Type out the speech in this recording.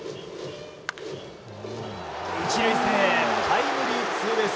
１塁線へタイムリーツーベース。